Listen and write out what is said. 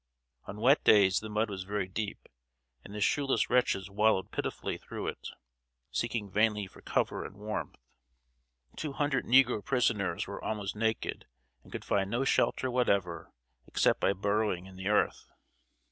On wet days the mud was very deep, and the shoeless wretches wallowed pitifully through it, seeking vainly for cover and warmth. Two hundred negro prisoners were almost naked, and could find no shelter whatever except by burrowing in the earth.